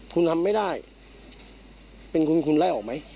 คุณทำไม่ได้เป็นคุณคุณไล่ออกไหม